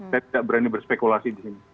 saya tidak berani berspekulasi di sini